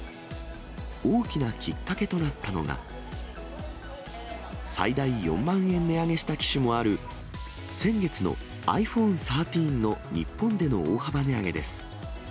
大きなきっかけとなったのが、最大４万円値上げした機種もある、先月のｉＰｈｏｎｅ１３の日本での大幅値上げです。